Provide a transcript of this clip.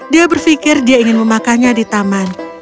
dia berpikir dia ingin memakannya di taman